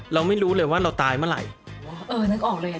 เราไม่รู้เลยว่าเราตายเมื่อไหร่เออนึกออกเลยอ่ะ